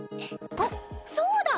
あっそうだ！